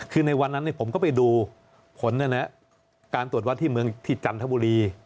คือในวันนั้นผมก็ไปดูผลการตรวจวัดที่เมืองที่จันทบุรี